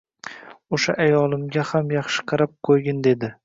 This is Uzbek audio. Oʻsha ayolimga ham yaxshi qarab qoʻygin dedi.